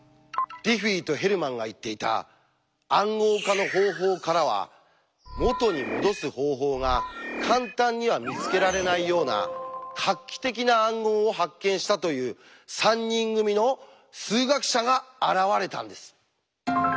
ディフィーとヘルマンが言っていた「暗号化の方法」からは「元にもどす方法」が簡単には見つけられないような画期的な暗号を発見したという３人組の数学者が現れたんです。